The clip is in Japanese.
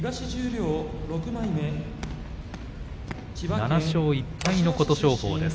７勝１敗の琴勝峰です。